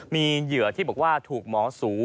มีเหยื่อที่บอกว่าถูกหมอสู